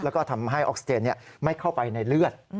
แล้วก็ทำให้ออกซิเจนไม่เข้าไปในเลือด